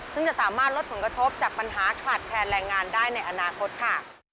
ซึ่งจะสามารถลดผลกระทบจากปัญหาขาดแคลนแรงงานได้ในอนาคตค่ะ